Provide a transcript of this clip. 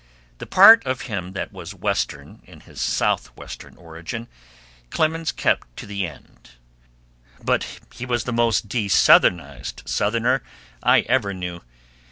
The part of him that was Western in his Southwestern origin Clemens kept to the end, but he was the most desouthernized Southerner I ever knew.